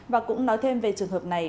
và cũng nói thêm về trường hợp này